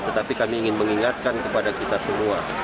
tetapi kami ingin mengingatkan kepada kita semua